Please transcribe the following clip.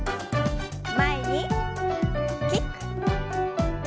前にキック。